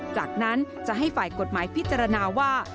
จากนั้นจะให้ฝ่ายกฎหมายพิจารณาว่า